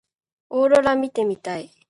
オーロラ見てみたい。